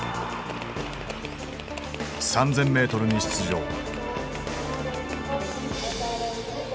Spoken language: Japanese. ３，０００ｍに出場。